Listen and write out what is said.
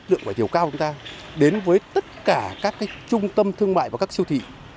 chúng ta tập trung cao hơn để đưa chất lượng vải thiều đến với tất cả các trung tâm thương mại và các siêu thị